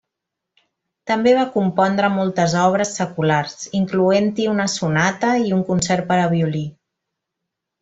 També va compondre moltes obres seculars, incloent-hi una sonata i un concert per a violí.